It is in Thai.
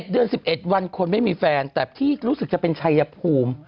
เดือน๑๑วันคนไม่มีแฟนแต่ที่รู้สึกจะเป็นชัยภูมิ